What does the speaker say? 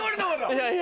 いやいや。